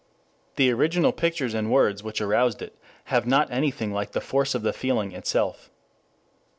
The original pictures and words which aroused it have not anything like the force of the feeling itself.